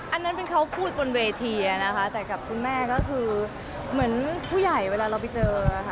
อันนั้นเป็นเขาพูดบนเวทีนะคะแต่กับคุณแม่ก็คือเหมือนผู้ใหญ่เวลาเราไปเจอค่ะ